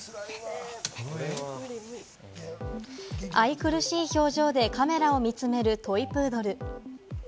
愛くるしい表情でカメラを見つめるトイプードル。